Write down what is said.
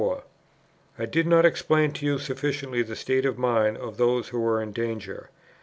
"I did not explain to you sufficiently the state of mind of those who were in danger.